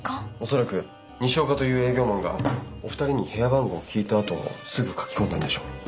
恐らく西岡という営業マンがお二人に部屋番号を聞いたあとすぐ書き込んだんでしょう。